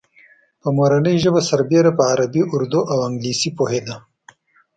په مورنۍ ژبه سربېره په عربي، اردو او انګلیسي پوهېده.